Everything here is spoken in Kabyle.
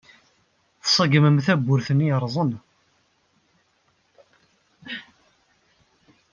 Tṣeggmem tadabut-nni yerrẓen.